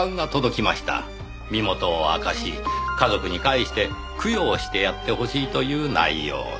身元を明かし家族に帰して供養してやってほしいという内容の。